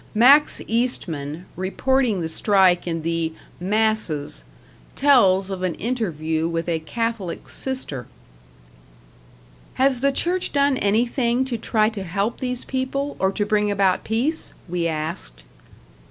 Max Eastman, reporting the strike in the "Masses", tells of an interview with a Catholic sister. "Has the Church done anything to try to help these people, or to bring about peace?" we asked.